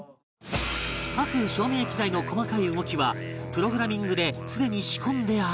各照明機材の細かい動きはプログラミングですでに仕込んであるが